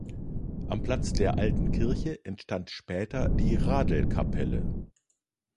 Am Platz der alten Kirche entstand später die Radl-Kapelle.